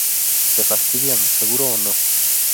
se fastidian. seguro. o no.